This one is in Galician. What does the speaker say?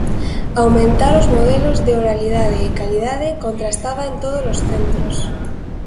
Aumentar os modelos de oralidade e calidade, contrastada en todos os centros.